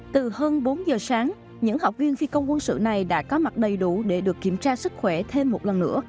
từ hơn bốn giờ sáng những học viên phi công quân sự này đã có mặt đầy đủ để được kiểm tra sức khỏe thêm một lần nữa